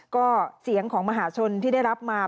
ก็เสียงของมหาชนที่ได้รับมา